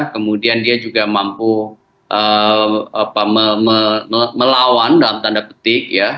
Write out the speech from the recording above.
kemudian dia juga mampu melawan dalam tanda petik ya